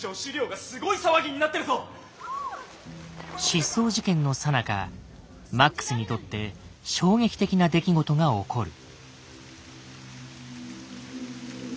失踪事件のさなかマックスにとって衝撃的な出来事が起こる。